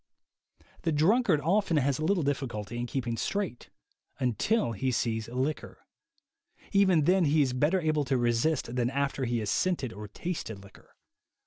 The drunkard often has little difficulty in keep ing straight until he sees liquor; even then he is better able to resist than after he has scented or tasted liquor.